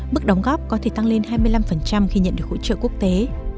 mức đóng góp có thể tăng lên hai mươi năm khi nhận được hỗ trợ quốc tế